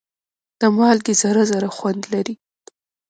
د مالګې ذره ذره خوند لري.